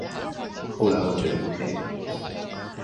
后来我觉得不便宜